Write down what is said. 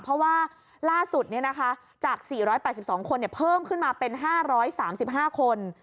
เพราะว่าล่าสุดจาก๔๘๒คนเพิ่มขึ้นมาเป็น๕๓๕คน